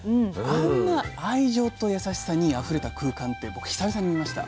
あんな愛情と優しさにあふれた空間って僕久々に見ました。